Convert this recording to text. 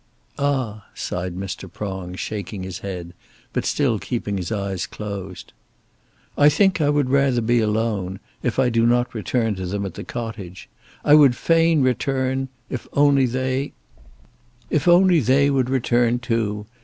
"Ah!" sighed Mr. Prong, shaking his head, but still keeping his eyes closed. "I think I would rather be alone, if I do not return to them at the cottage. I would fain return if only they " "If only they would return too.